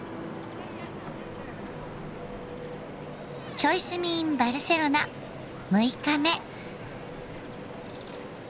「チョイ住みｉｎバルセロナ」６日目。